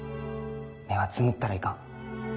目はつむったらいかん。